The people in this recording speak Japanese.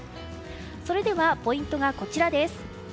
それではポイントがこちらです。